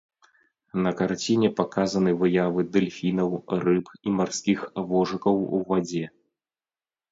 На карціне паказаны выявы дэльфінаў, рыб і марскіх вожыкаў ў вадзе.